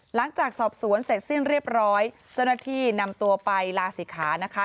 หลังจากสอบสวนเสร็จสิ้นเรียบร้อยเจ้าหน้าที่นำตัวไปลาศิกขานะคะ